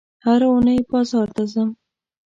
هره اونۍ بازار ته ځم